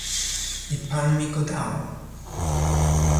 "I pan mi go dał."